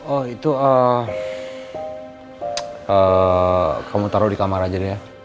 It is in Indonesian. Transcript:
oh itu kamu taruh di kamar aja deh ya